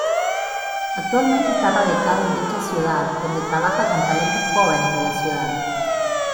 Actualmente está radicado en dicha ciudad donde trabaja con talentos jóvenes de la ciudad.